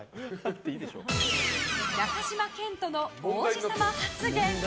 中島健人の王子様発言！